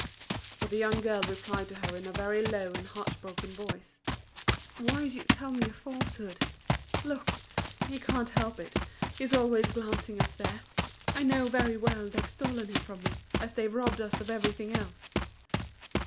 But the young girl replied to her in a very low and heartbroken voice: "Why do you tell me a falsehood? Look! he can't help it, he's always glancing up there. I know very well they've stolen him from me, as they've robbed us of everything else."